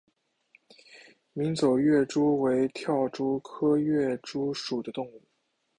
鸣走跃蛛为跳蛛科跃蛛属的动物。